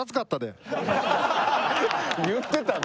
言ってたな